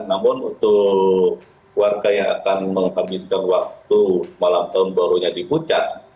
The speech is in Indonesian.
namun untuk warga yang akan menghabiskan waktu malam tahun barunya di puncak